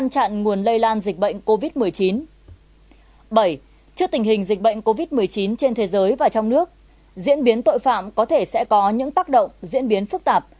bảy trước tình hình dịch bệnh covid một mươi chín trên thế giới và trong nước diễn biến tội phạm có thể sẽ có những tác động diễn biến phức tạp